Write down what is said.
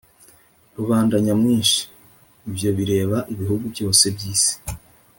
rubanda nyamwinshi. ibyo bireba ibihugu byose by'isi.